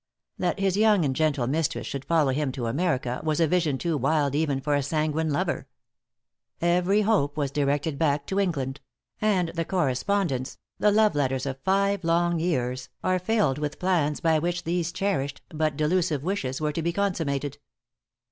That his young and gentle mistress should follow him to America, was a vision too wild even for a sanguine lover. Every hope was directed back to England; and the correspondence, the love letters of five long years, are filled with plans by which these cherished, but delusive wishes were to be consummated.